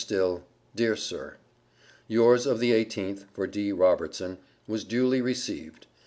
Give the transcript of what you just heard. STILL Dear Sir: Yours of the 18th, for D. Robertson, was duly received.